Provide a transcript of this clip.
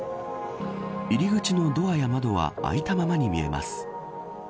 入り口のドアや窓は開いたままに見えます。